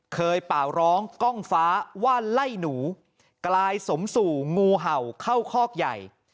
เปล่าร้องกล้องฟ้าว่าไล่หนูกลายสมสู่งูเห่าเข้าคอกใหญ่